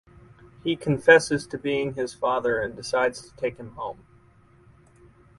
He confesses to being his father and decides to take him home.